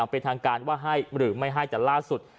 เป็นทางการว่าให้หรือไม่ให้แต่ล่าสุด